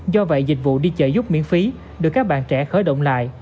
do vậy dịch vụ đi chợ giúp miễn phí được các bạn trẻ khởi động lại